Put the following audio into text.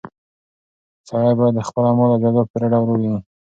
سړی باید د خپلو اعمالو جزا په پوره ډول وویني.